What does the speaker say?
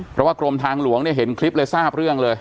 เพราะว่ากรมทางหลวงเนี่ยเห็นคลิปเลยทราบเรื่องเลย